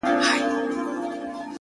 د درد د کيف څکه او ستا دوې خوبولې سترگي!